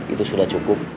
itu sudah cukup